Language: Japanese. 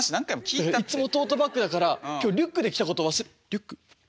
いつもトートバッグだから今日リュックで来たこと忘れリュック？